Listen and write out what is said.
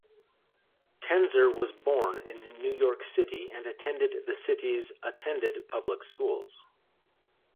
Tenzer was born in New York City and attended the city's attended public schools.